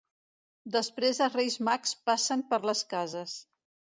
Després els Reis Mags passen per les cases.